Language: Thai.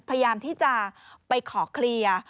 พยายามที่จะไปขอเคลียร์